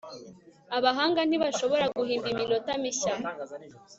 abahanga ntibashobora guhimba iminota mishya